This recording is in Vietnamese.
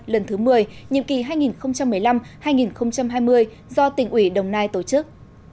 lần thứ một mươi nhiệm kỳ hai nghìn một mươi năm hai nghìn hai mươi do tỉnh ủy đồng nai tổ chức